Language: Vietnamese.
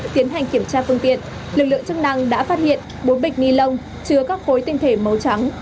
tiến hành kiểm tra phương tiện lực lượng chức năng đã phát hiện bốn bịch ni lông chứa các khối tinh thể màu trắng